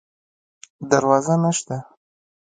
دروازه نشته